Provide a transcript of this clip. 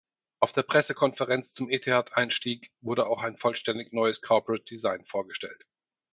Auf der Pressekonferenz zum Etihad-Einstieg wurde auch ein vollständig neues Corporate Design vorgestellt.